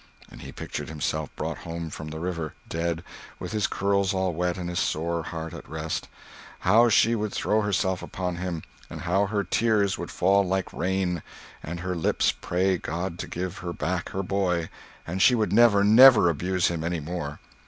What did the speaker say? And he pictured himself brought home from the river, dead, with his curls all wet, and his sore heart at rest. How she would throw herself upon him, and how her tears would fall like rain, and her lips pray God to give her back her boy and she would never, never abuse him any more!